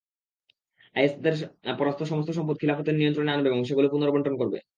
Is তাদের পরাস্ত সমস্ত সম্পদ খিলাফতের নিয়ন্ত্রণে আনবে এবং সেগুলো পুনর্বণ্টন করবে।